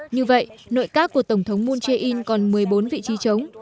như vậy nội các của tổng thống moon jae in còn một mươi bốn vị trí chống